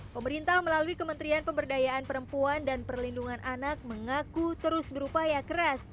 pemerintah melalui kementerian pemberdayaan perempuan dan perlindungan anak mengaku terus berupaya keras